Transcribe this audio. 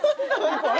これ。